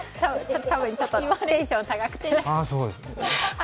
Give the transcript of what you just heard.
多分ちょっとテンション高くて。